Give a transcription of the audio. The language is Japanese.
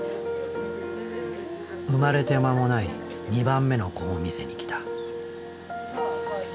生まれて間もない２番目の子を見せに来た。